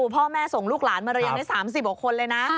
พ่อแม่ส่งลูกหลานมาเรียนได้๓๐กว่าคนเลยนะ